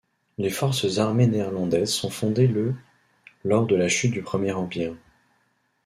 Les Forces armées néerlandaises sont fondées le lors de la chute du Premier Empire.